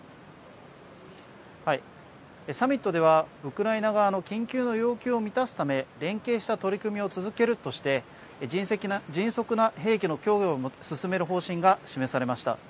サミットではウクライナ側の緊急の要求を満たすため連携した取り組みを続けるとして迅速な兵器の供与を進める方針が示されました。